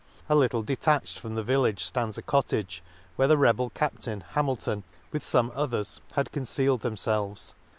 — A little detached from the village ftands a cottage, where the rebel Captain, Hamil ton, with fome others, had concealed themfelves.